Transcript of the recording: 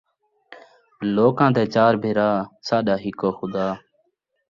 لوکاں دے چار بھرا ، ساݙا ہکو خدا